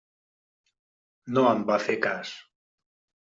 No en va fer cas.